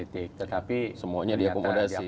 tetapi semuanya diakomodasi